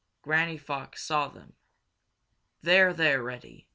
Granny Fox saw them. "There, there, Reddy!